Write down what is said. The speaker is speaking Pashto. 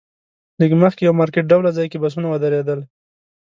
لږ مخکې یو مارکیټ ډوله ځای کې بسونه ودرېدل.